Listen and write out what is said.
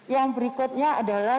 yang berikutnya adalah